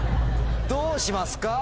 どうしますか？